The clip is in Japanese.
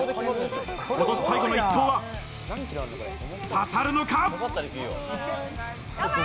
今年最後の１投は刺さるのか？